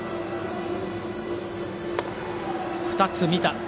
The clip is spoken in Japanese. ２つ見た。